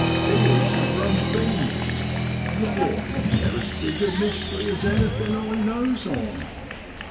' Eels is rum things lor, they're as big a mystery as anything I knows on.